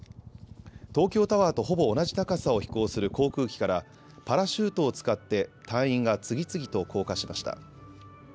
東京タワーとほぼ同じ高さを飛行する航空機からパラシュートを使って隊員が次々と降下しました。